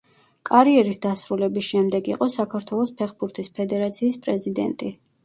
კარიერის დასრულების შემდეგ იყო საქართველოს ფეხბურთის ფედერაციის პრეზიდენტი.